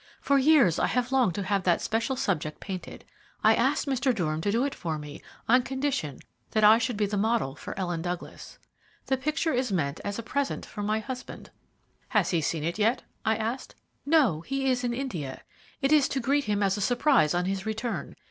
"For years I have longed to have that special subject painted. I asked Mr. Durham to do it for me on condition that I should be the model for Ellen Douglas. The picture is meant as a present for my husband." "Has he seen it yet?" I asked "No, he is in India; it is to greet him as a surprise on his return.